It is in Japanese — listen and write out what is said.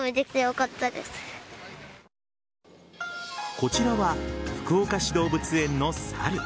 こちらは福岡市動物園の猿。